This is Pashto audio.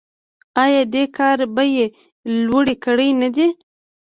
آیا دې کار بیې لوړې کړې نه دي؟